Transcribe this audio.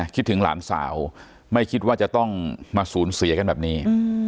คิดถึงหลานสาวไม่คิดว่าจะต้องมาสูญเสียกันแบบนี้